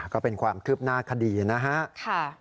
ก็เป็นความคืบหน้าคดีนะครับ